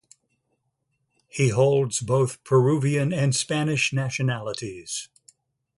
He holds both Peruvian and Spanish nationalities.